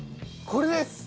これです。